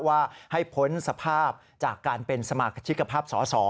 ว่าให้พ้นสภาพจากการเป็นสมาชิกภาพสอสอ